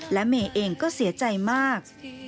และเมย์เองก็เสียใจมาก